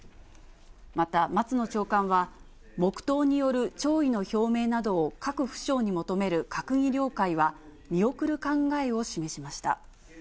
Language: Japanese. また、松野長官は、黙とうによる弔意の表明などを各府省に求める閣議了解は見送る考えを示しました。